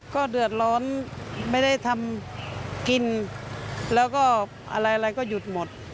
ก็เดือดร้อนไม่ได้ทำกินแล้วก็อะไรก็หยุดหมด